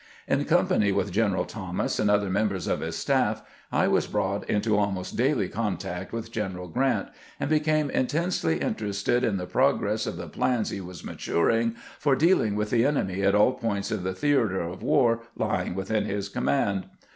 In company with G eneral Thomas and other members of his staff, I was brought into almost daily contact with General Grant, and became intensely interested in the progress of the plans he was maturing for dealing with the enemy at all points of the theater of war lying within his command.